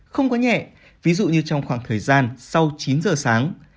không có nhẹ ví dụ như trong khoảng thời gian sau chín giờ sáng